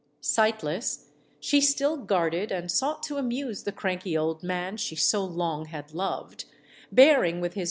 Sightless, she still guarded and sought to amuse the cranky old man she so long had loved ; bearing with hie.